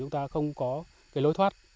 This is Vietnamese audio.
chúng ta không có cái lối thoát